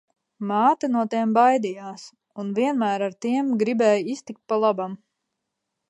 Māte no tiem baidījās un vienmēr ar tiem gribēja iztikt pa labam.